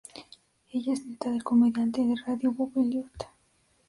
Ella es nieta del comediante de radio Bob Elliott.